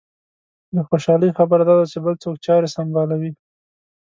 د خوشالۍ خبره دا ده چې بل څوک چارې سنبالوي.